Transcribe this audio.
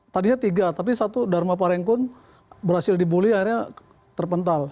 tadinya tiga tapi satu dharma parengkun berhasil dibully akhirnya terpental